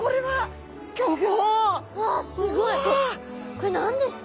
これ何ですか？